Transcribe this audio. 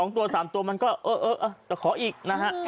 ตัว๓ตัวมันก็เออจะขออีกนะฮะ